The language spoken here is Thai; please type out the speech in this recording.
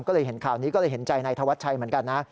ก็เลยเห็นข่าวนี้ก็เลยเห็นใจนายธวัชชัยเหมือนกันนะ